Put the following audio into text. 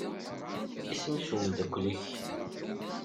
Isem-is umeddakel-ik?